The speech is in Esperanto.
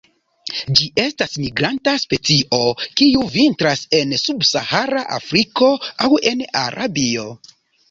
Ĝi estas migranta specio, kiu vintras en subsahara Afriko aŭ en Arabio.